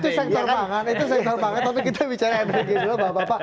itu sektor pangan tapi kita bicara energi dulu